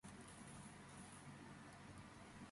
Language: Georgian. ძეგლი ნაგები იყო რიყისა და ფლეთილი ქვით.